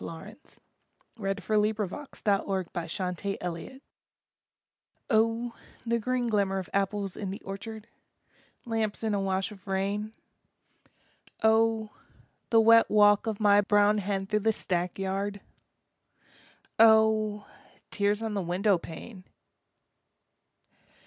LAWRENCE D. H. LAWRENCE BALLAD OF ANOTHER OPHELIA Oh, the green glimmer of apples in the orchard, Lamps in a wash of rain, Oh, the wet walk of my brown hen through the stackyard, Oh, tears on the window pane!